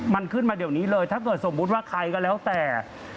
มันขึ้นมาเดี๋ยวนี้เลยถ้าเกิดสมมุติว่าใครก็แล้วแต่